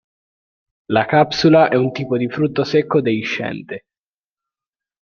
La capsula è un tipo di frutto secco deiscente.